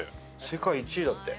世界１位だって。